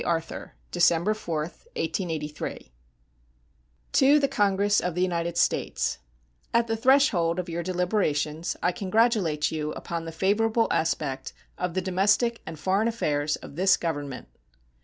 Arthur December 4, 1883 To the Congress of the United States: At the threshold of your deliberations I congratulate you upon the favorable aspect of the domestic and foreign affairs of this Government.